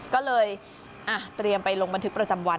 ก็เลยเตรียมไปลงบันทึกประจำวัน